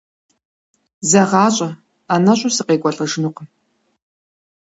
ЗэгъащӀэ, ӀэнэщӀу сыкъекӀуэлӀэжынукъым.